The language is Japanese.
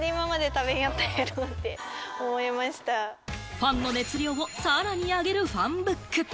ファンの熱量をさらに上げるファンブック。